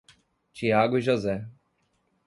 Thiago e José.